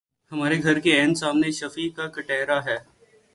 ہمارے گھر کے عین سامنے شفیع کا کٹڑہ ہے۔